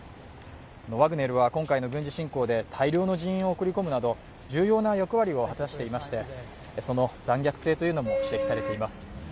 ワグネルは今回の軍事侵攻で大量の人員を送り込むなど重要な役割を果たしていまして、その残虐性も指摘されています。